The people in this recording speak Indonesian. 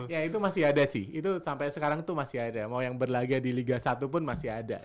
ya itu masih ada sih itu sampai sekarang itu masih ada mau yang berlaga di liga satu pun masih ada